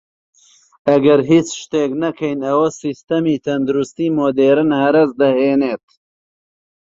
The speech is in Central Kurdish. ئەگەر هیچ شتێک نەکەین ئەوە سیستەمی تەندروستی مودێرن هەرەس دەهێنێت